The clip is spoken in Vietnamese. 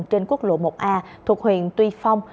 trên quốc lộ một a thuộc huyện tuy phong